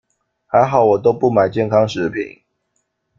還好我都不買健康食品